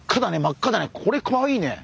これかわいいね。